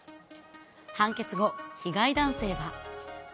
判決後、被害男性は。